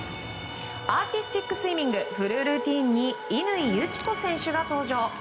アーティスティックスイミングフリールーティンに乾友紀子選手。